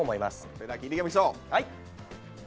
それでは聞いていきましょう。